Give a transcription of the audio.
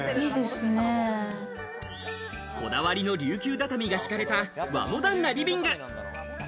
こだわりの琉球畳が敷かれた和モダンなリビング。